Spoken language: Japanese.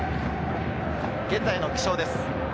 現在の気象です。